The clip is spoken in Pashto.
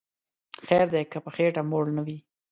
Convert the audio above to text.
خیر دی که په خیټه موړ نه وی